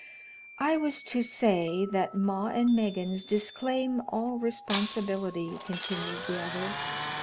"I was to say that 'Maw and Meggins' disclaim all responsibility," continued the other.